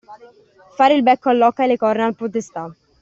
Fare il becco all'oca e le corna al potestà.